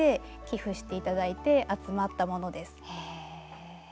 へえ。